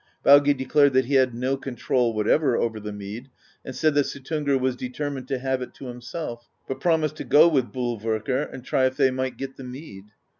Baugi declared that he had no control whatever over the mead, and said that Suttungr was determined to have it to himself, but prom ised to go with Bolverkr and try if they might get the mead.